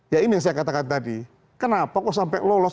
ya ini yang saya katakan tadi kenapa kok sampai lolos